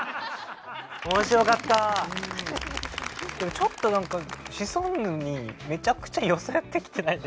ちょっと何かシソンヌにめちゃくちゃ寄せてきてないですか？